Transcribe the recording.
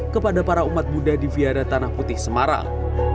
kepada para umat buddha di viara tanah putih semarang